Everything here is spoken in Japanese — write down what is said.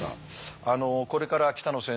あのこれから北野先生